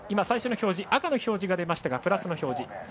最初の表示赤の表示が出ましたがプラスの表示